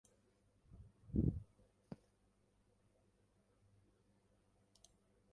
Muy frecuente en muros, grietas de rocas, cortezas de árboles y tejados.